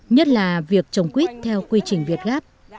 nhất là việc trồng quýt theo quy trình việt gáp